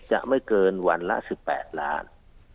จะไม่เกินวันละ๑๘ล้าน